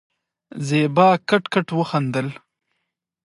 زېبا کټ کټ وخندل.